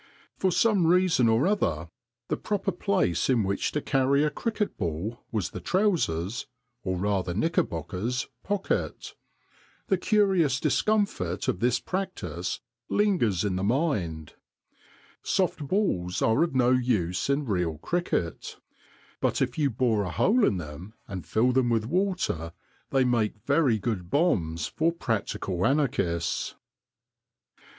For some reason or other the proper place in which to carry a cricket ball was the trousers, or rather knickerbockers, pocket. The curious discomfort of this practice lingers in the 118 THE DAY BEFORE YESTERDAY mind. Soft balls are of no use in real cricket ; but if you bore a hole in them and fill them with water they make very good bombs for practical anarchists.